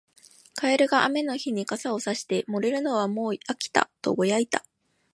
カエルが雨の日に傘をさして、「濡れるのはもう飽きた」とぼやいた。